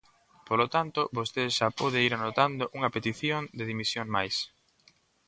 Polo tanto, vostede xa pode ir anotando unha petición de dimisión máis.